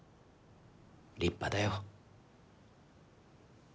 立派だよ。